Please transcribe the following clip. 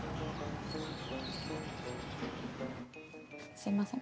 すいません